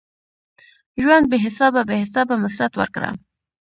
ژونده بی حسابه ؛ بی حسابه مسرت ورکړه